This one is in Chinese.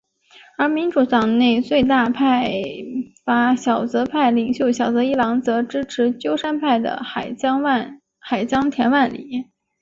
而民主党内最大派阀小泽派领袖小泽一郎则支持鸠山派的海江田万里。